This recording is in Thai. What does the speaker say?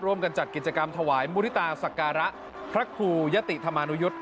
ร่วมกันจัดกิจกรรมถวายมุฒิตาศักราพระครูยติธรรมนุยุธ